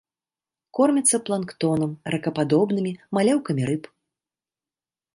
Кормяцца планктонам, ракападобнымі, маляўкамі рыб.